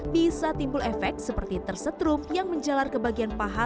bisa timbul efek seperti tersetrum yang menjalar ke bagian paha